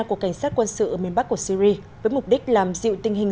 của cảnh sát quân sự ở miền bắc của syri với mục đích làm dịu tình hình